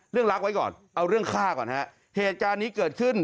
รักไว้ก่อนเอาเรื่องฆ่าก่อนฮะเหตุการณ์นี้เกิดขึ้น